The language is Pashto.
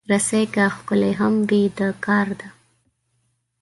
رسۍ که ښکلې هم وي، د کار ده.